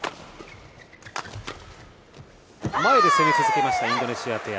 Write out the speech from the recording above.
前で攻め続けましたインドネシアペア。